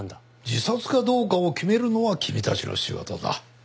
自殺かどうかを決めるのは君たちの仕事だ。